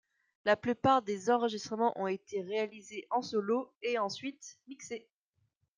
La plupart des enregistrements ont été réalisés en solo et ensuite mixés.